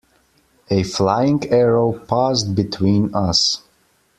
A flying arrow passed between us.